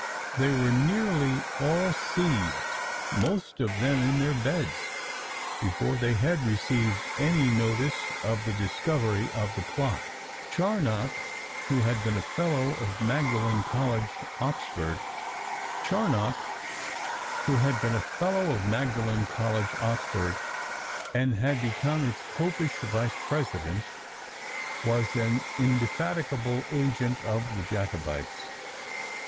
They were nearly all seized, most of them in their beds, before they had received any notice of the discovery of the plot. Charnock, who had been a Fellow of Magdalen College, Oxford, and had become its Popish vice president, was an indefatigable agent of the Jacobites.